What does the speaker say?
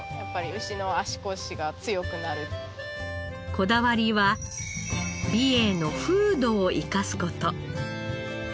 こだわりは美瑛の風土を生かす事。